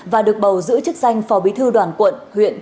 và được bầu giữ chức danh phò bí thư đoàn quận huyện thường vụ